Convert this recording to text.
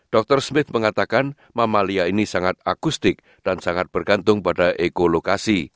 dr smith mengatakan mamalia ini sangat akustik dan sangat bergantung pada ekolokasi